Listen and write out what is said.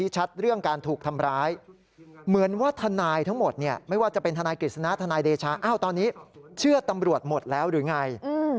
เชื่อตำรวจหมดแล้วหรือไง